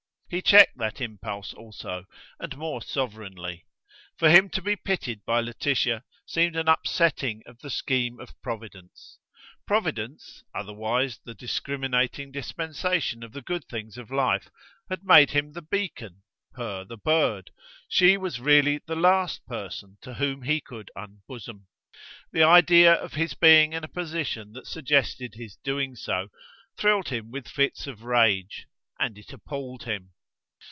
He checked that impulse also, and more sovereignly. For him to be pitied by Laetitia seemed an upsetting of the scheme of Providence. Providence, otherwise the discriminating dispensation of the good things of life, had made him the beacon, her the bird: she was really the last person to whom he could unbosom. The idea of his being in a position that suggested his doing so, thrilled him with fits of rage; and it appalled him.